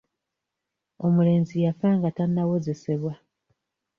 Omulenzi yafa nga tannawozesebwa.